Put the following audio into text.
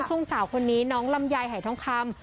ทุ่งสาวคนนี้น้องลำไยหายทองคำ